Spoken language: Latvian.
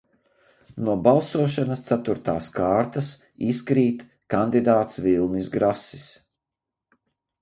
"No balsošanas ceturtās kārtas "izkrīt" kandidāts Vilnis Grasis."